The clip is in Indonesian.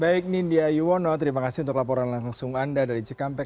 baik nindya yuwono terima kasih untuk laporan langsung anda dari cikampek